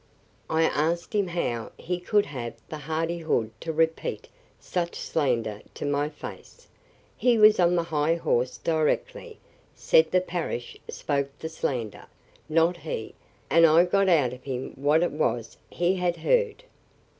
I asked him how he could have the hardihood to repeat such slander to my face. He was on the high horse directly; said the parish spoke the slander, not he; and I got out of him what it was he had heard."